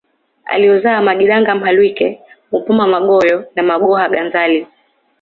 aliwazaa magidanga Mhalwike Mupoma Magoyo na Magohaganzali